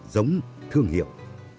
giống thương hiệu